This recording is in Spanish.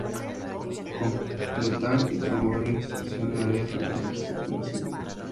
Completar y promover la investigación en áreas relevantes del conocimiento.